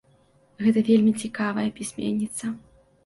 Гэта вельмі цікавая пісьменніца.